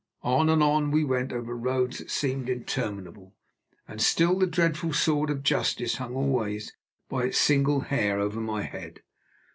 On and on we went, over roads that seemed interminable, and still the dreadful sword of justice hung always, by its single hair, over my head.